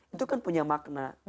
itu kan punya makna